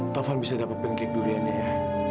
taufan bisa dapat pancake duriannya ya